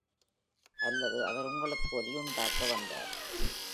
அல்லது, அவர் உங்களுக்கு ஒலியுண்டாக்க வந்தார்.